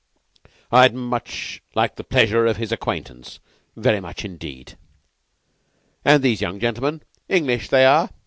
I'd much like the pleasure of his acquaintance. Very much, indeed. And these young gentlemen? English they are.